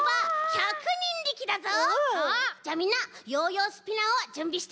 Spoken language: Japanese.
じゃみんなヨーヨースピナーをじゅんびして。